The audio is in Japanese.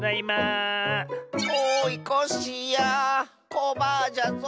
コバアじゃぞ。